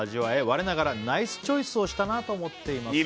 「我ながらナイスチョイスをしたなと思っています」